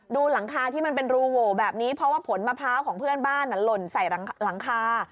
ดูหลังคาที่มันเป็นรูโหวแบบนี้เพราะว่าผลมะพร้าวของเพื่อนบ้านหล่นใส่หลังคา